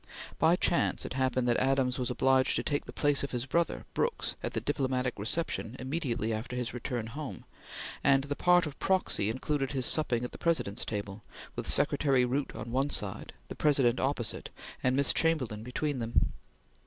By chance it happened that Adams was obliged to take the place of his brother Brooks at the Diplomatic Reception immediately after his return home, and the part of proxy included his supping at the President's table, with Secretary Root on one side, the President opposite, and Miss Chamberlain between them.